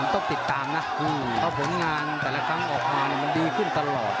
ต้องติดตามนะเพราะผลงานแต่ละครั้งออกมามันดีขึ้นตลอด